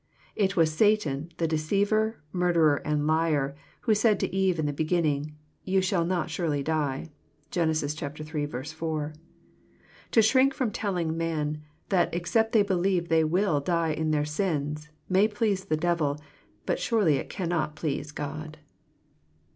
It was Satan, the deceiver, murderer, and liar, who said to Eve in the beginning, " Ye shall not surely die." (Gen. ill. 4.) To shrink from telling men, that except they believe they will " die in their sins," may please the devil, but surely it cannot please God.